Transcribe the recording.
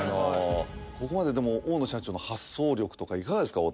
ここまででも大野社長の発想力とかいかがですか？